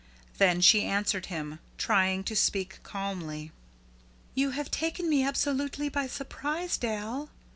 Then she answered him, trying to speak calmly. "You have taken me absolutely by surprise, Dal.